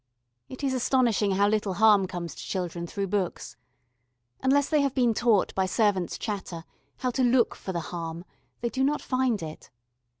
It is astonishing how little harm comes to children through books. Unless they have been taught by servants' chatter how to look for the "harm," they do not find it.